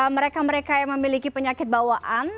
mereka mereka yang memiliki penyakit bawaan